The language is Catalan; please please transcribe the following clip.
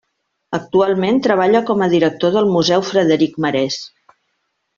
Actualment treballa com a director del Museu Frederic Marès.